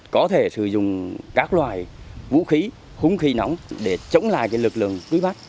có thể sử dụng các loài vũ khí khung khí nóng để chống lại lực lượng cúi bắt